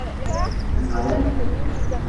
Nawm.